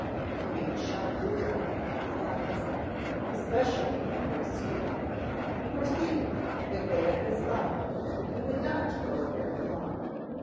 Keeping a sharp lookout on all sides, especially under his feet, he proceeded and made up his mind that he would not go very far.